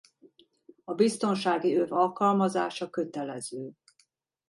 A biztonsági öv alkalmazása kötelező.